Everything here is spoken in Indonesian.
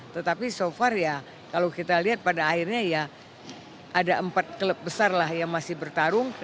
tetapi so far ya kalau kita lihat pada akhirnya ya ada empat klub besar lah yang masih bertarung